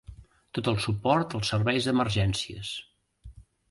Tot el suport als serveis d'emergències.